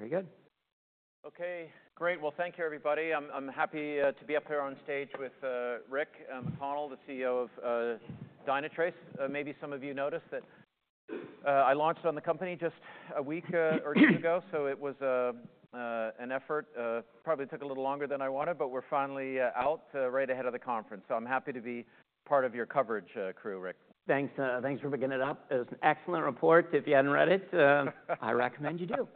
Okay. Very good. Okay. Great. Thank you, everybody. I'm happy to be up here on stage with Rick McConnell, the CEO of Dynatrace. Maybe some of you noticed that I launched on the company just a week or two ago. So it was an effort. Probably took a little longer than I wanted, but we're finally out right ahead of the conference. So I'm happy to be part of your coverage crew, Rick. Thanks for picking it up. It was an excellent report. If you hadn't read it, I recommend you do.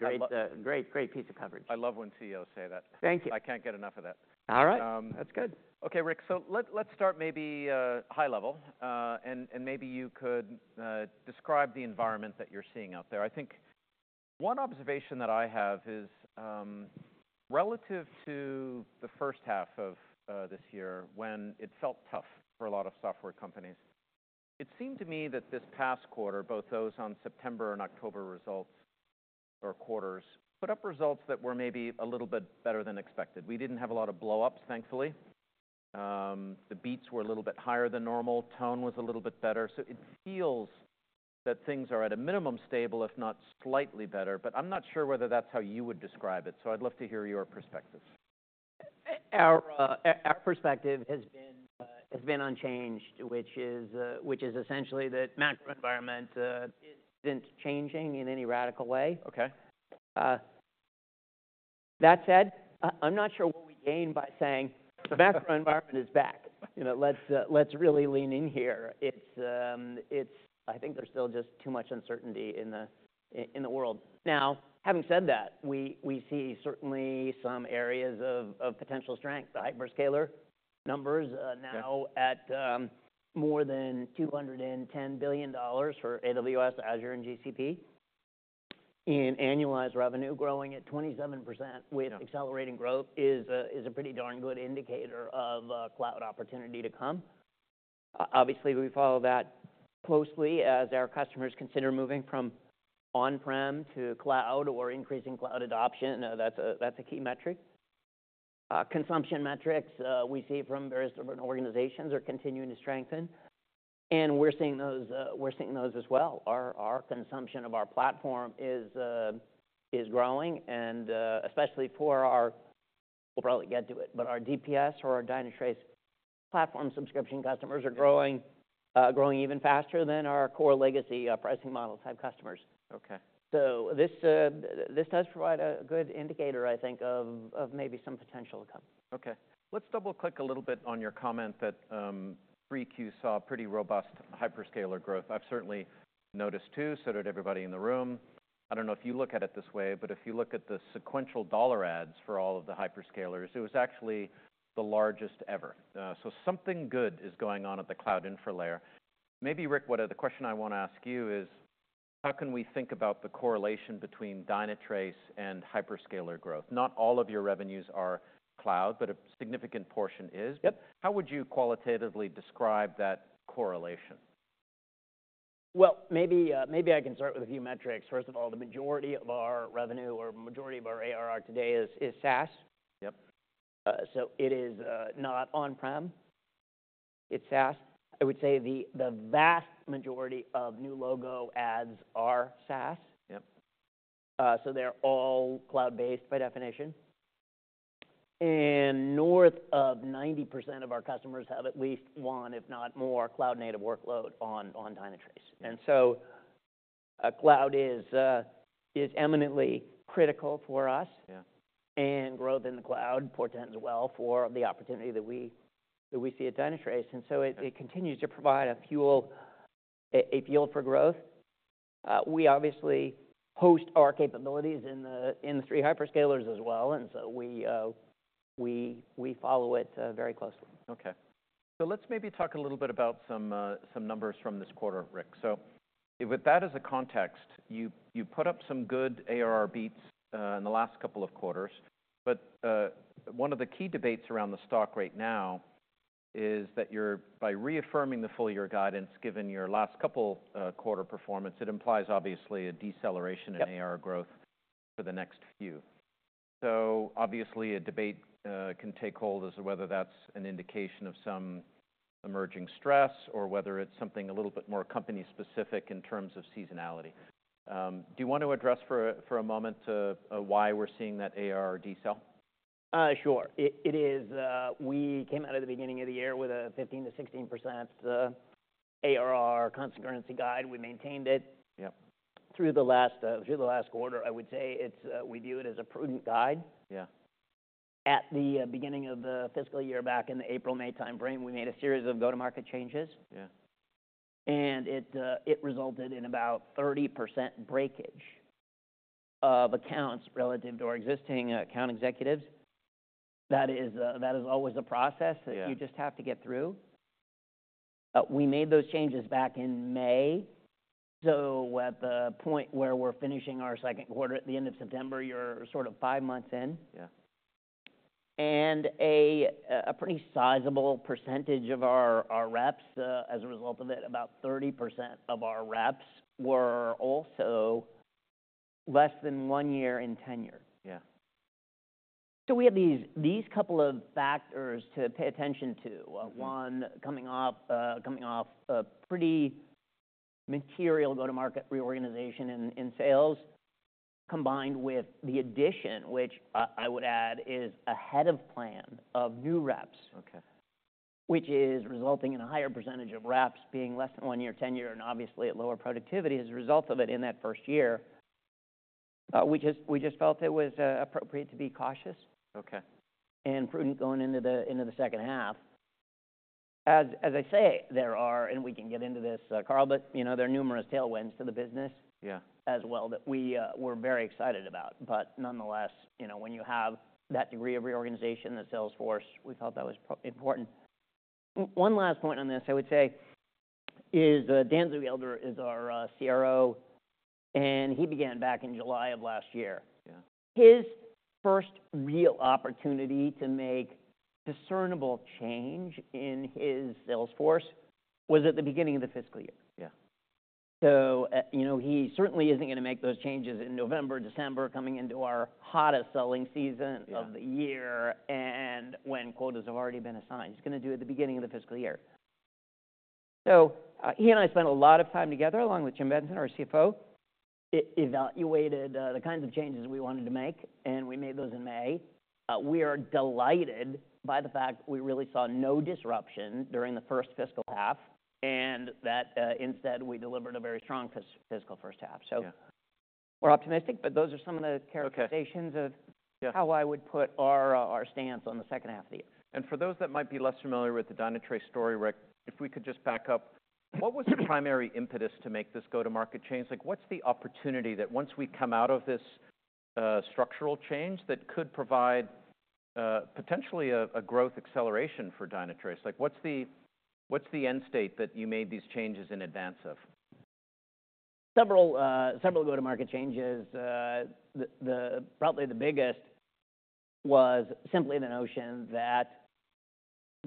Good. Great, great piece of coverage. I love when CEOs say that. Thank you. I can't get enough of that. All right. That's good. Okay, Rick. So let's start maybe high level. And maybe you could describe the environment that you're seeing out there. I think one observation that I have is relative to the first half of this year when it felt tough for a lot of software companies. It seemed to me that this past quarter, both those on September and October results or quarters, put up results that were maybe a little bit better than expected. We didn't have a lot of blow-ups, thankfully. The beats were a little bit higher than normal. Tone was a little bit better. So it feels that things are at a minimum stable, if not slightly better. But I'm not sure whether that's how you would describe it. So I'd love to hear your perspectives. Our perspective has been unchanged, which is essentially that macro environment isn't changing in any radical way. Okay. That said, I'm not sure what we gain by saying the macro environment is back. Let's really lean in here. I think there's still just too much uncertainty in the world. Now, having said that, we see certainly some areas of potential strength. Hyperscaler numbers now at more than $210 billion for AWS, Azure, and GCP. And annualized revenue growing at 27% with accelerating growth is a pretty darn good indicator of cloud opportunity to come. Obviously, we follow that closely as our customers consider moving from on-prem to cloud or increasing cloud adoption. That's a key metric. Consumption metrics we see from various different organizations are continuing to strengthen. And we're seeing those as well. Our consumption of our platform is growing. Especially for our, we'll probably get to it, but our DPS or our Dynatrace Platform Subscription customers are growing even faster than our core legacy pricing model type customers. Okay. So this does provide a good indicator, I think, of maybe some potential to come. Okay. Let's double-click a little bit on your comment that we saw pretty robust hyperscaler growth. I've certainly noticed too, so did everybody in the room. I don't know if you look at it this way, but if you look at the sequential dollar adds for all of the hyperscalers, it was actually the largest ever, so something good is going on at the cloud infra layer. Maybe, Rick, the question I want to ask you is, how can we think about the correlation between Dynatrace and hyperscaler growth? Not all of your revenues are cloud, but a significant portion is. Yep. How would you qualitatively describe that correlation? Maybe I can start with a few metrics. First of all, the majority of our revenue or majority of our ARR today is SaaS. Yep. So it is not on-prem. It's SaaS. I would say the vast majority of new logo adds are SaaS. Yep. So they're all cloud-based by definition. And north of 90% of our customers have at least one, if not more, cloud-native workload on Dynatrace. And so cloud is eminently critical for us. Yeah. And growth in the cloud portends well for the opportunity that we see at Dynatrace. And so it continues to provide a fuel for growth. We obviously host our capabilities in the three hyperscalers as well. And so we follow it very closely. Okay. So let's maybe talk a little bit about some numbers from this quarter, Rick. So with that as a context, you put up some good ARR beats in the last couple of quarters. But one of the key debates around the stock right now is that by reaffirming the full year guidance given your last couple quarter performance, it implies obviously a deceleration in ARR growth for the next few. So obviously, a debate can take hold as to whether that's an indication of some emerging stress or whether it's something a little bit more company-specific in terms of seasonality. Do you want to address for a moment why we're seeing that ARR decel? Sure. It is. We came out at the beginning of the year with a 15%-16% ARR constant currency guide. We maintained it through the last quarter, I would say. We view it as a prudent guide. Yeah. At the beginning of the fiscal year back in the April, May time frame, we made a series of go-to-market changes. Yeah. And it resulted in about 30% breakage of accounts relative to our existing account executives. That is always a process that you just have to get through. We made those changes back in May. So at the point where we're finishing our second quarter at the end of September, you're sort of five months in. Yeah. A pretty sizable percentage of our reps, as a result of it, about 30% of our reps were also less than one year in tenure. Yeah. So we had these couple of factors to pay attention to. One coming off a pretty material go-to-market reorganization in sales combined with the addition, which I would add is ahead of plan, of new reps, which is resulting in a higher percentage of reps being less than one year tenure, and obviously at lower productivity as a result of it in that first year. We just felt it was appropriate to be cautious. Okay. And prudent going into the second half. As I say, there are, and we can get into this, Carl, but there are numerous tailwinds to the business as well that we were very excited about. But nonetheless, when you have that degree of reorganization in the sales force, we felt that was important. One last point on this, I would say, is Dan Zugelder is our CRO. And he began back in July of last year. Yeah. His first real opportunity to make discernible change in his sales force was at the beginning of the fiscal year. Yeah. So he certainly isn't going to make those changes in November, December, coming into our hottest selling season of the year and when quotas have already been assigned. He's going to do it at the beginning of the fiscal year. So he and I spent a lot of time together along with Jim Benson, our CFO, evaluated the kinds of changes we wanted to make. And we made those in May. We are delighted by the fact that we really saw no disruption during the first fiscal half and that instead we delivered a very strong fiscal first half. So we're optimistic, but those are some of the characterizations of how I would put our stance on the second half of the year. And for those that might be less familiar with the Dynatrace story, Rick, if we could just back up, what was the primary impetus to make this go-to-market change? What's the opportunity that once we come out of this structural change that could provide potentially a growth acceleration for Dynatrace? What's the end state that you made these changes in advance of? Several go-to-market changes. Probably the biggest was simply the notion that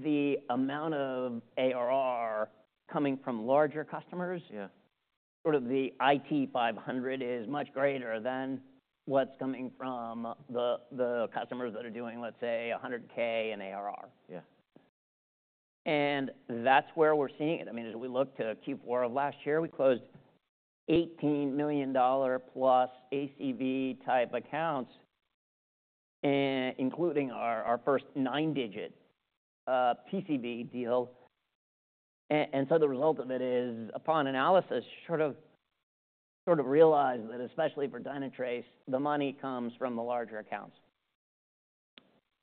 the amount of ARR coming from larger customers, sort of the IT 500, is much greater than what's coming from the customers that are doing, let's say, 100K in ARR. Yeah. That's where we're seeing it. I mean, as we look to Q4 of last year, we closed $18 million plus ACV type accounts, including our first nine-digit TCV deal. The result of it is, upon analysis, sort of realize that especially for Dynatrace, the money comes from the larger accounts.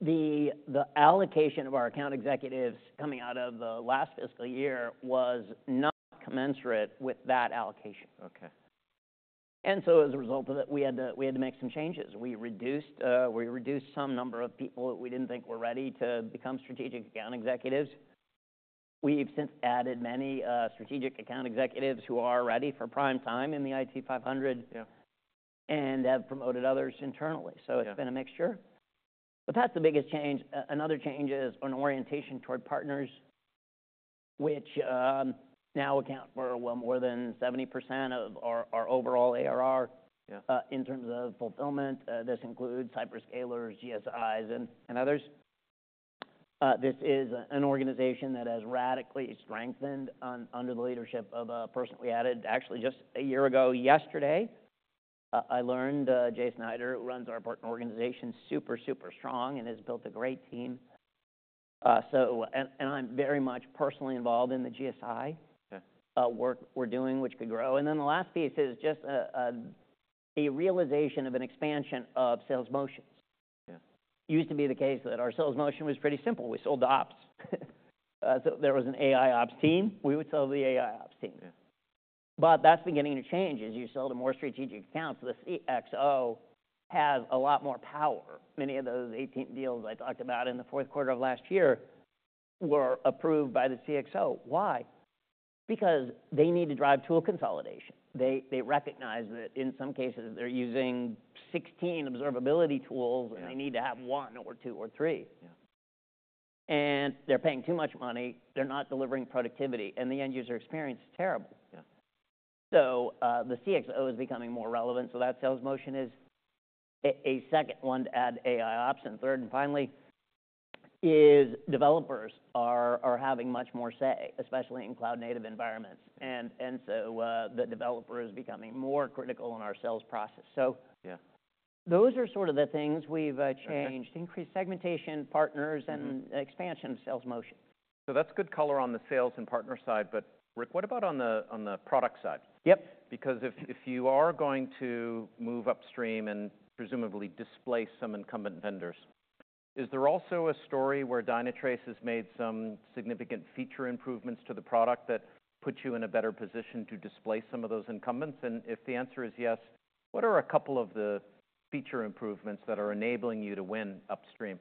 The allocation of our account executives coming out of the last fiscal year was not commensurate with that allocation. Okay. As a result of it, we had to make some changes. We reduced some number of people that we didn't think were ready to become strategic account executives. We've since added many strategic account executives who are ready for prime time in the IT 500 and have promoted others internally. It's been a mixture. That's the biggest change. Another change is an orientation toward partners, which now account for well more than 70% of our overall ARR in terms of fulfillment. This includes hyperscalers, GSIs, and others. This is an organization that has radically strengthened under the leadership of a person we added actually just a year ago yesterday. I learned that Jay Snyder runs our partner organization, super, super strong and has built a great team. I'm very much personally involved in the GSI work we're doing, which could grow. And then the last piece is just a realization of an expansion of sales motions. Yeah. It used to be the case that our sales motion was pretty simple. We sold the ops, so there was an AIOps team. We would sell the AIOps team. Yeah. But that's beginning to change as you sell to more strategic accounts. The CxO has a lot more power. Many of those 18 deals I talked about in the fourth quarter of last year were approved by the CxO. Why? Because they need to drive tool consolidation. They recognize that in some cases they're using 16 observability tools and they need to have one or two or three. Yeah. They're paying too much money. They're not delivering productivity. The end user experience is terrible. Yeah. So the CxO is becoming more relevant. So that sales motion is a second one to add AIOps. And third and finally is developers are having much more say, especially in cloud-native environments. And so the developer is becoming more critical in our sales process. So those are sort of the things we've changed: increased segmentation, partners, and expansion of sales motion. So that's good color on the sales and partner side. But Rick, what about on the product side? Yep. Because if you are going to move upstream and presumably displace some incumbent vendors, is there also a story where Dynatrace has made some significant feature improvements to the product that put you in a better position to displace some of those incumbents? And if the answer is yes, what are a couple of the feature improvements that are enabling you to win upstream?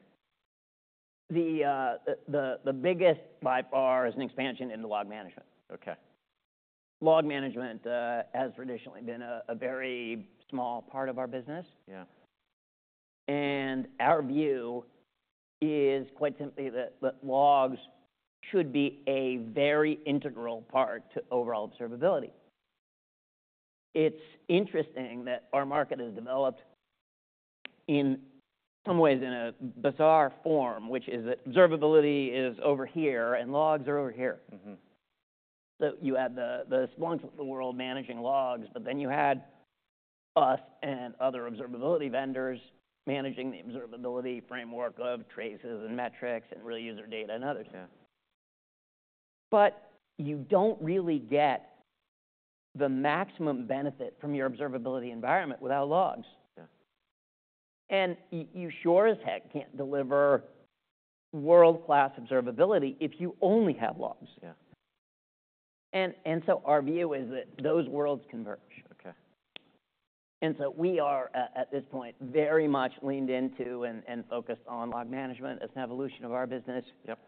The biggest by far is an expansion into log management. Okay. Log management has traditionally been a very small part of our business. Yeah. Our view is quite simply that logs should be a very integral part to overall observability. It's interesting that our market has developed in some ways in a bizarre form, which is that observability is over here and logs are over here. You add the Splunk of the world managing logs, but then you had us and other observability vendors managing the observability framework of traces and metrics and real user data and others. Yeah. But you don't really get the maximum benefit from your observability environment without logs. Yeah. You sure as heck can't deliver world-class observability if you only have logs. Yeah. And so our view is that those worlds converge. Okay. We are at this point very much leaned into and focused on log management as an evolution of our business. Yep.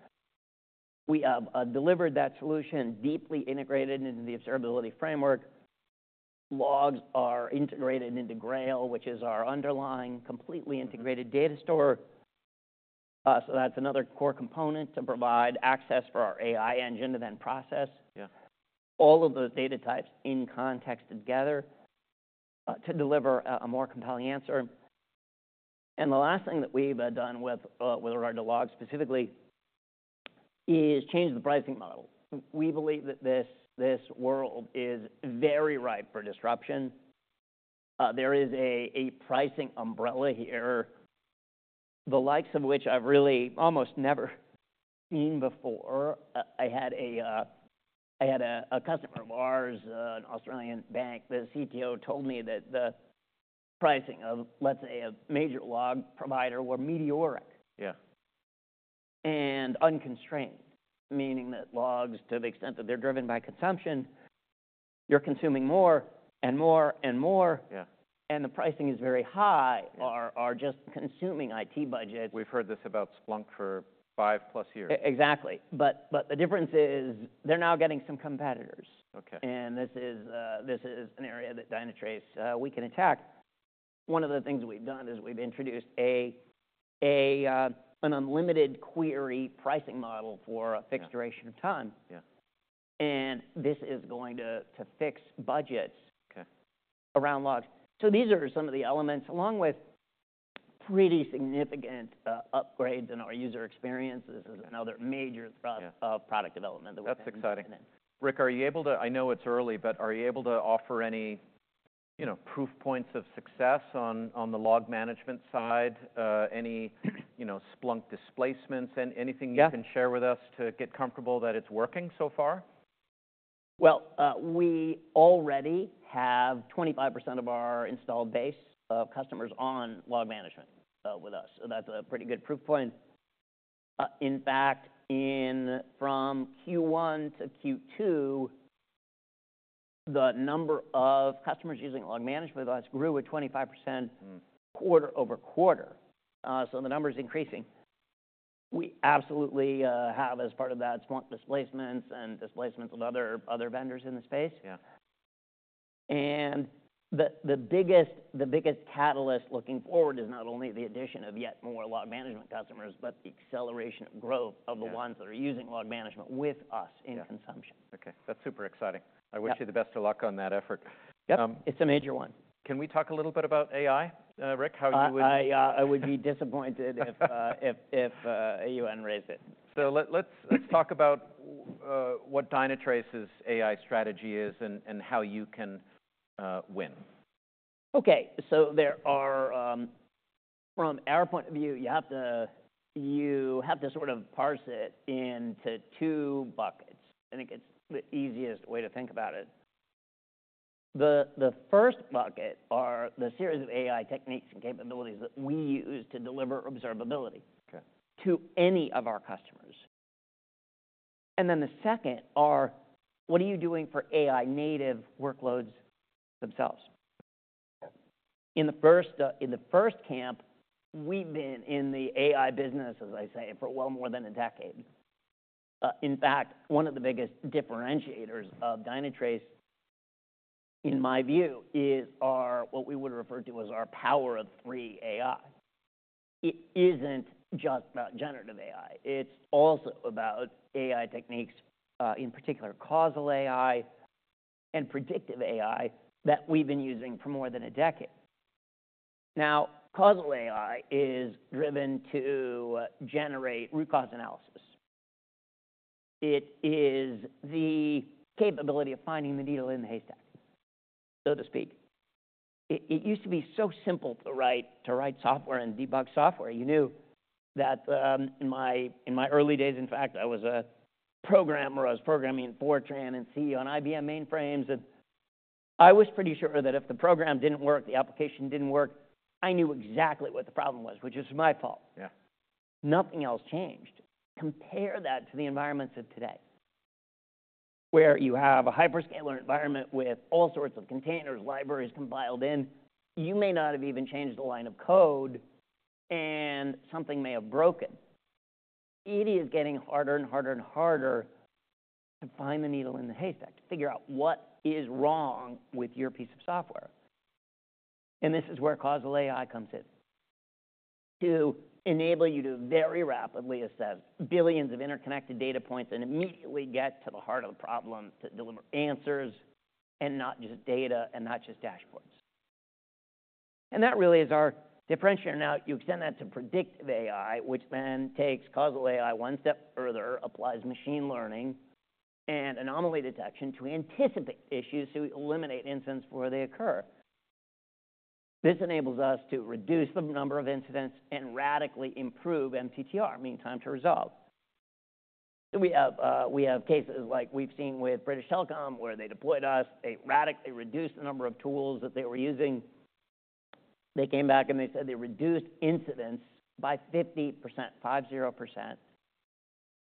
We have delivered that solution deeply integrated into the observability framework. Logs are integrated into Grail, which is our underlying completely integrated data store. So that's another core component to provide access for our AI engine to then process all of those data types in context together to deliver a more compelling answer. And the last thing that we've done with regard to logs specifically is change the pricing model. We believe that this world is very ripe for disruption. There is a pricing umbrella here, the likes of which I've really almost never seen before. I had a customer of ours, an Australian bank, the CTO told me that the pricing of, let's say, a major log provider were meteoric. Yeah. Unconstrained, meaning that logs, to the extent that they're driven by consumption, you're consuming more and more and more. Yeah. The pricing is very high. They're just consuming IT budgets. We've heard this about Splunk for five plus years. Exactly. But the difference is they're now getting some competitors. Okay. This is an area that Dynatrace we can attack. One of the things we've done is we've introduced an unlimited query pricing model for a fixed duration of time. Yeah. This is going to fix budgets. Okay. Around logs. So these are some of the elements along with pretty significant upgrades in our user experience. This is another major product development that we're making. That's exciting. Rick, are you able to—I know it's early, but are you able to offer any proof points of success on the log management side? Any Splunk displacements? Anything you can share with us to get comfortable that it's working so far? We already have 25% of our installed base of customers on log management with us. That's a pretty good proof point. In fact, from Q1 to Q2, the number of customers using log management with us grew at 25% quarter-over-quarter. The number is increasing. We absolutely have, as part of that, Splunk displacements and displacements with other vendors in the space. Yeah. The biggest catalyst looking forward is not only the addition of yet more log management customers, but the acceleration of growth of the ones that are using log management with us in consumption. Okay. That's super exciting. I wish you the best of luck on that effort. Yep. It's a major one. Can we talk a little bit about AI, Rick? How you would I would be disappointed if you unraise it. Let's talk about what Dynatrace's AI strategy is and how you can win. Okay. So from our point of view, you have to sort of parse it into two buckets. I think it's the easiest way to think about it. The first bucket are the series of AI techniques and capabilities that we use to deliver observability to any of our customers. And then the second are what are you doing for AI-native workloads themselves? In the first camp, we've been in the AI business, as I say, for well more than a decade. In fact, one of the biggest differentiators of Dynatrace, in my view, is what we would refer to as our Power of Three AI. It isn't just about generative AI. It's also about AI techniques, in particular, causal AI and predictive AI that we've been using for more than a decade. Now, causal AI is driven to generate root cause analysis. It is the capability of finding the needle in the haystack, so to speak. It used to be so simple to write software and debug software. You knew that in my early days, in fact, I was a programmer. I was programming in Fortran and C on IBM mainframes, and I was pretty sure that if the program didn't work, the application didn't work, I knew exactly what the problem was, which is my fault. Yeah. Nothing else changed. Compare that to the environments of today where you have a hyperscaler environment with all sorts of containers, libraries compiled in. You may not have even changed the line of code and something may have broken. It is getting harder and harder and harder to find the needle in the haystack, to figure out what is wrong with your piece of software. And this is where causal AI comes in to enable you to very rapidly assess billions of interconnected data points and immediately get to the heart of the problem to deliver answers and not just data and not just dashboards. And that really is our differentiator. Now, you extend that to predictive AI, which then takes causal AI one step further, applies machine learning and anomaly detection to anticipate issues to eliminate incidents before they occur. This enables us to reduce the number of incidents and radically improve MTTR, mean-time-to-resolve, so we have cases like we've seen with British Telecom where they deployed us. They radically reduced the number of tools that they were using. They came back and they said they reduced incidents by 50%.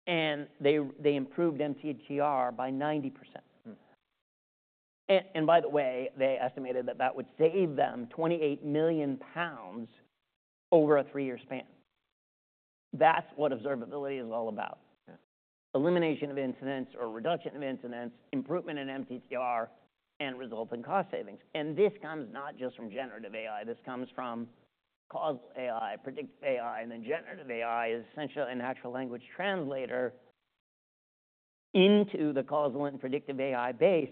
They improved MTTR by 90%, and by the way, they estimated that that would save them 28 million pounds over a three-year span. That's what observability is all about: elimination of incidents or reduction of incidents, improvement in MTTR, and resultant cost savings, and this comes not just from generative AI. This comes from causal AI, predictive AI, and then generative AI is essentially an actual language translator into the causal and predictive AI base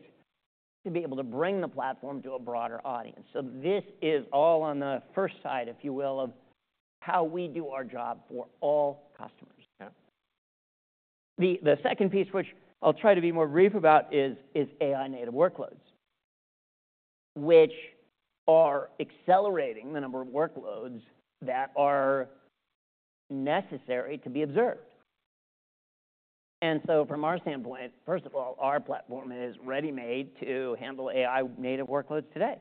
to be able to bring the platform to a broader audience. So this is all on the first side, if you will, of how we do our job for all customers. Yeah. The second piece, which I'll try to be more brief about, is AI-native workloads, which are accelerating the number of workloads that are necessary to be observed. And so from our standpoint, first of all, our platform is ready-made to handle AI-native workloads today.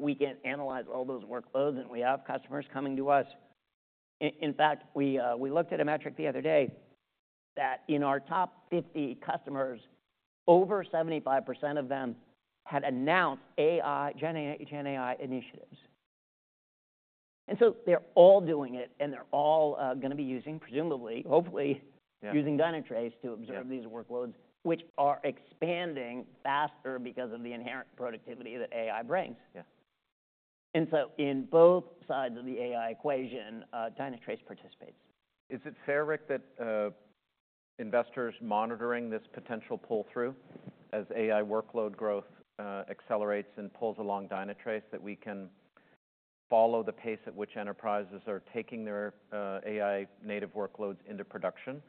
We can analyze all those workloads and we have customers coming to us. In fact, we looked at a metric the other day that in our top 50 customers, over 75% of them had announced GenAI initiatives. And so they're all doing it and they're all going to be using, presumably, hopefully using Dynatrace to observe these workloads, which are expanding faster because of the inherent productivity that AI brings. Yeah. And so in both sides of the AI equation, Dynatrace participates. Is it fair, Rick, that investors monitoring this potential pull-through as AI workload growth accelerates and pulls along Dynatrace, that we can follow the pace at which enterprises are taking their AI-native workloads into production?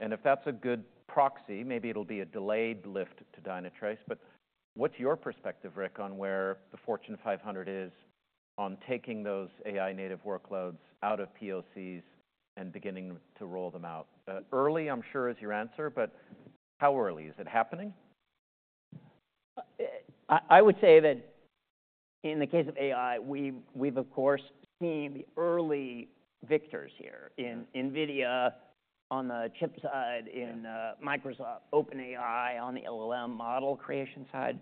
And if that's a good proxy, maybe it'll be a delayed lift to Dynatrace. But what's your perspective, Rick, on where the Fortune 500 is on taking those AI-native workloads out of POCs and beginning to roll them out? Early, I'm sure, is your answer. But how early? Is it happening? I would say that in the case of AI, we've, of course, seen the early victors here in NVIDIA on the chip side, in Microsoft, OpenAI on the LLM model creation side.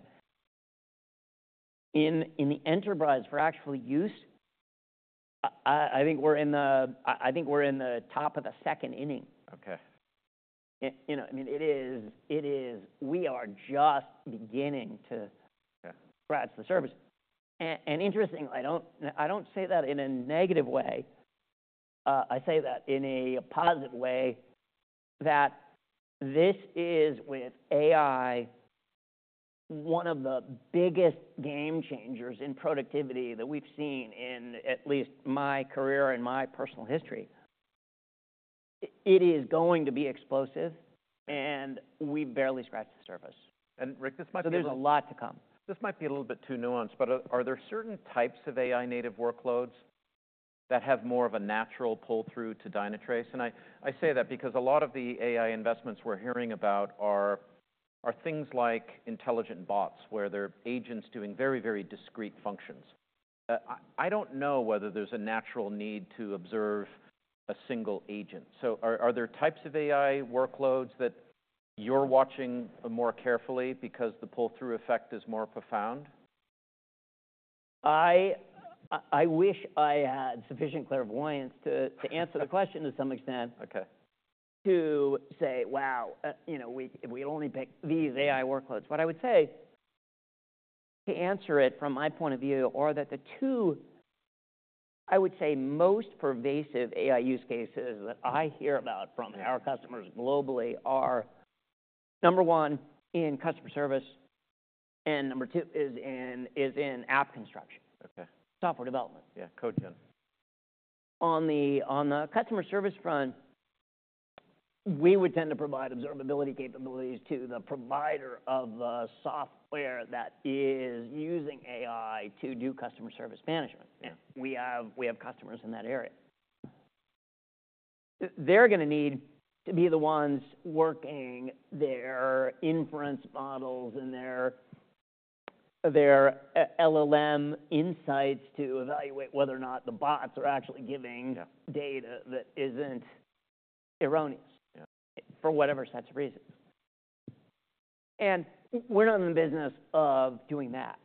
In the enterprise for actual use, I think we're in the top of the second inning. Okay. You know, I mean, it is we are just beginning to scratch the surface, and interestingly, I don't say that in a negative way. I say that in a positive way that this is, with AI, one of the biggest game changers in productivity that we've seen in at least my career and my personal history. It is going to be explosive and we've barely scratched the surface. Rick, this might be a little. So there's a lot to come. This might be a little bit too nuanced, but are there certain types of AI-native workloads that have more of a natural pull-through to Dynatrace? And I say that because a lot of the AI investments we're hearing about are things like intelligent bots, where there are agents doing very, very discrete functions. I don't know whether there's a natural need to observe a single agent. So are there types of AI workloads that you're watching more carefully because the pull-through effect is more profound? I wish I had sufficient clairvoyance to answer the question to some extent. Okay. To say, wow, you know, we only pick these AI workloads. What I would say to answer it from my point of view are that the two, I would say, most pervasive AI use cases that I hear about from our customers globally are, number one, in customer service, and number two is in app construction. Okay. Software development. Yeah. CodeGen. On the customer service front, we would tend to provide observability capabilities to the provider of the software that is using AI to do customer service management. We have customers in that area. They're going to need to be the ones working their inference models and their LLM insights to evaluate whether or not the bots are actually giving data that isn't erroneous, for whatever sets of reasons. And we're not in the business of doing that.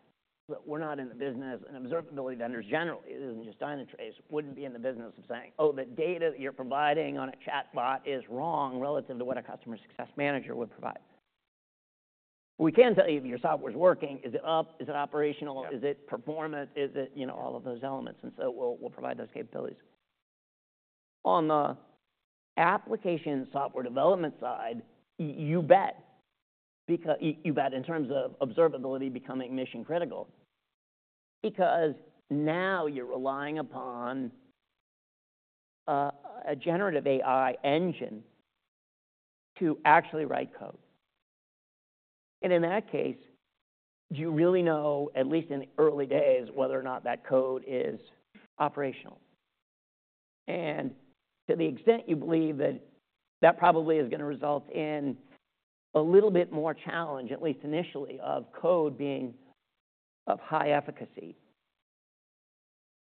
We're not in the business, and observability vendors generally, it isn't just Dynatrace, wouldn't be in the business of saying, oh, the data that you're providing on a chatbot is wrong relative to what a customer success manager would provide. We can tell you if your software's working. Is it up? Is it operational? Is it performance? Is it, you know, all of those elements? And so we'll provide those capabilities. On the application software development side, you bet. You bet in terms of observability becoming mission critical because now you're relying upon a generative AI engine to actually write code. And in that case, do you really know, at least in the early days, whether or not that code is operational? And to the extent you believe that that probably is going to result in a little bit more challenge, at least initially, of code being of high efficacy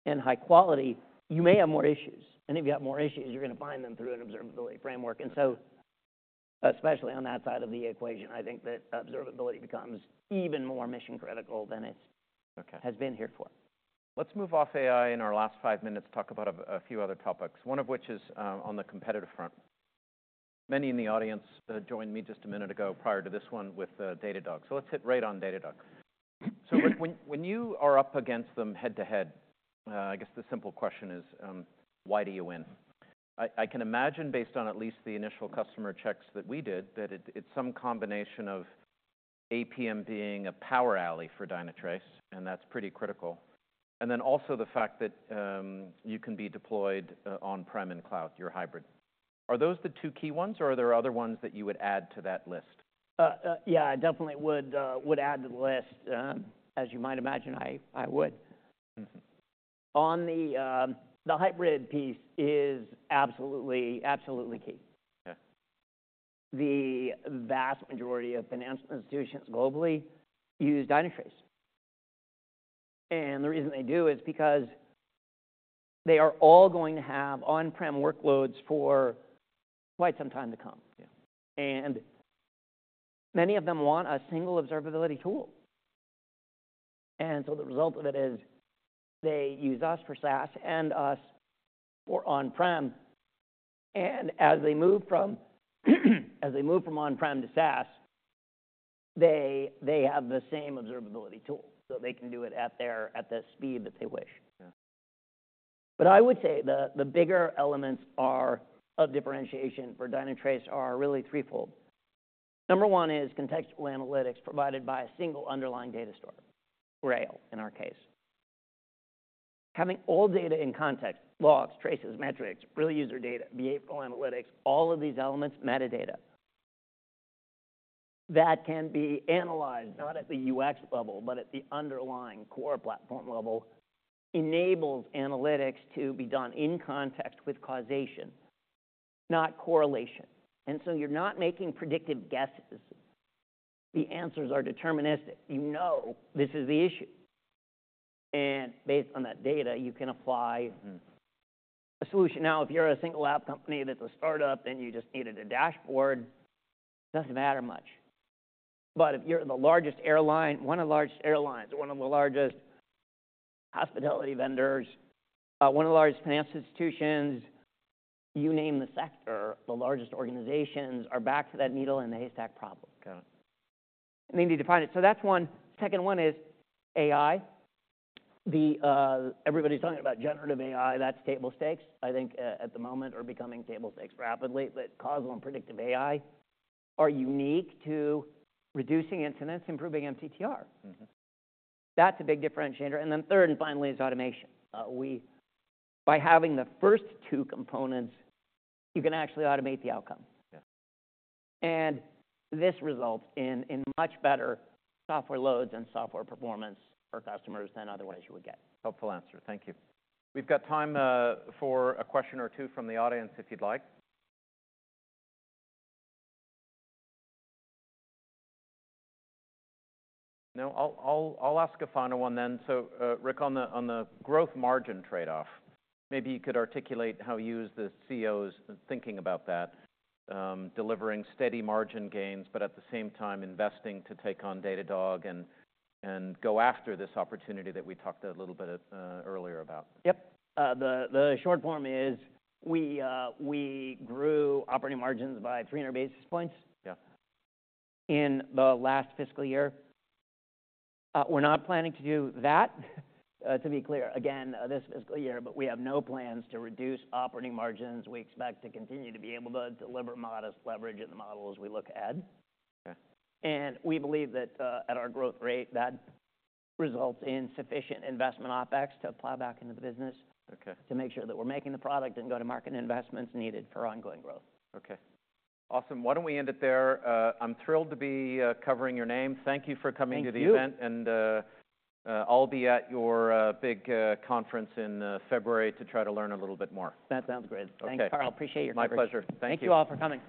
and high quality, you may have more issues. And if you have more issues, you're going to find them through an observability framework. And so, especially on that side of the equation, I think that observability becomes even more mission critical than it has been here for. Let's move off AI in our last five minutes, talk about a few other topics, one of which is on the competitive front. Many in the audience joined me just a minute ago prior to this one with Datadog. So let's hit right on Datadog. So Rick, when you are up against them head-to-head, I guess the simple question is, why do you win? I can imagine, based on at least the initial customer checks that we did, that it's some combination of APM being a power alley for Dynatrace, and that's pretty critical. And then also the fact that you can be deployed on-prem and cloud, your hybrid. Are those the two key ones, or are there other ones that you would add to that list? Yeah, I definitely would add to the list. As you might imagine, I would. On the hybrid piece is absolutely key. Yeah. The vast majority of financial institutions globally use Dynatrace, and the reason they do is because they are all going to have on-prem workloads for quite some time to come, and many of them want a single observability tool, and so the result of it is they use us for SaaS and us for on-prem, and as they move from on-prem to SaaS, they have the same observability tool so they can do it at the speed that they wish. Yeah. I would say the bigger elements of differentiation for Dynatrace are really threefold. Number one is contextual analytics provided by a single underlying data store, Grail in our case. Having all data in context: logs, traces, metrics, real user data, behavioral analytics, all of these elements, metadata that can be analyzed not at the UX level, but at the underlying core platform level enables analytics to be done in context with causation, not correlation. And so you're not making predictive guesses. The answers are deterministic. You know this is the issue. And based on that data, you can apply a solution. Now, if you're a single app company that's a startup and you just needed a dashboard, it doesn't matter much. But if you're the largest airline, one of the largest airlines, one of the largest hospitality vendors, one of the largest financial institutions, you name the sector, the largest organizations are back to that needle in the haystack problem. Got it. And they need to find it. So that's one. Second one is AI. Everybody's talking about generative AI. That's table stakes. I think at the moment are becoming table stakes rapidly that causal and predictive AI are unique to reducing incidents, improving MTTR. That's a big differentiator. And then third and finally is automation. By having the first two components, you can actually automate the outcome. Yeah. This results in much better software loads and software performance for customers than otherwise you would get. Helpful answer. Thank you. We've got time for a question or two from the audience if you'd like. No? I'll ask a final one then. So Rick, on the growth margin trade-off, maybe you could articulate how you use the CEO's thinking about that, delivering steady margin gains, but at the same time investing to take on Datadog and go after this opportunity that we talked a little bit earlier about. Yep. The short form is we grew operating margins by 300 basis points in the last fiscal year. We're not planning to do that, to be clear, again, this fiscal year, but we have no plans to reduce operating margins. We expect to continue to be able to deliver modest leverage in the models we look ahead. Okay. We believe that at our growth rate, that results in sufficient investment OpEx to plow back into the business to make sure that we're making the product and go to market investments needed for ongoing growth. Okay. Awesome. Why don't we end it there? I'm thrilled to be covering your name. Thank you for coming to the event. Thank you. I'll be at your big conference in February to try to learn a little bit more. That sounds great. Okay. Thanks, Carl. Appreciate your comments. My pleasure. Thank you. Thank you all for coming.